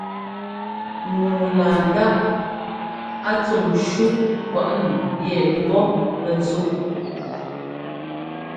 Ŋu laa ńdáꞌ a tsuŋ ńcú kwaꞌ nu yɛ ḿbɔ́ pɛ́ zúꞌ.